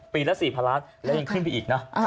ปีนั้น๔๐๐๐๐๐๐บาทแล้วยังขึ้นดีอีกนะ